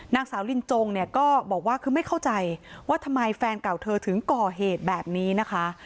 นางสาวลินจงเนี่ยก็บอกว่าคือไม่เข้าใจว่าทำไมแฟนเก่าเธอถึงก่อเหตุแบบนี้นะคะ